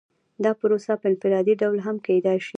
دا پروسه په انفرادي ډول هم کیدای شي.